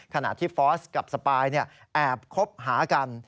ขณะที่ฟอร์สกับสปายแอบคบหากัน